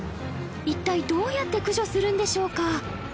一体どうやって駆除するんでしょうか？